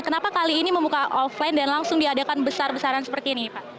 kenapa kali ini membuka offline dan langsung diadakan besar besaran seperti ini pak